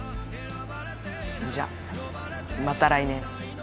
じゃまた来年。